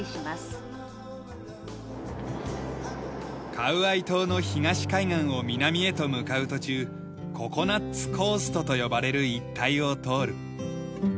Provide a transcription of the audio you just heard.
カウアイ島の東海岸を南へと向かう途中ココナッツ・コーストと呼ばれる一帯を通る。